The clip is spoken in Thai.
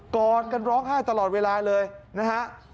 อดกันร้องไห้ตลอดเวลาเลยนะฮะ